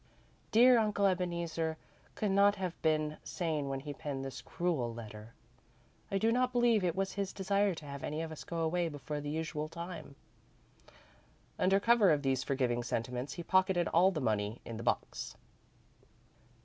Dear Uncle Ebeneezer could not have been sane when he penned this cruel letter. I do not believe it was his desire to have any of us go away before the usual time." Under cover of these forgiving sentiments, he pocketed all the money in the box.